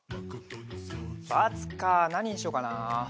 バツかなににしようかなあ。